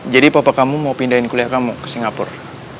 jadi papa kamu mau pindahin kuliah kamu ke singapura